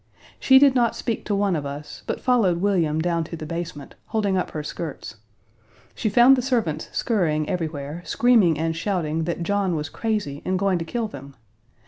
She did not speak to one of us, but followed William down to the basement, holding up her skirts. She found the servants scurrying everywhere, screaming and shouting that John was crazy and going to kill them.